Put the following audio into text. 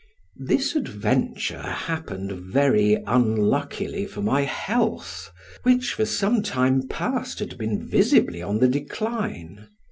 This adventure happened very unluckily for my health, which, for some time past, had been visibly on the decline.